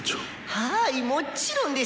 「はぁいもっちろんです！